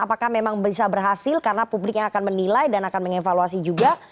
apakah memang bisa berhasil karena publik yang akan menilai dan akan mengevaluasi juga